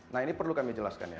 nah ini perlu kami jelaskan ya